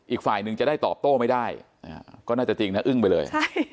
อีกฝ่ายหนึ่งจะได้ตอบโต้ไม่ได้ก็น่าจะจริงนะอึ้งไปเลย